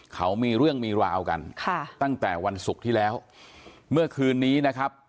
เขามีเรื่องมีราวกันค่ะตั้งแต่วันศุกร์ที่แล้วเมื่อคืนนี้นะครับ